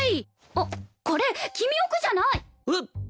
あっこれ『君オク』じゃない！えっ。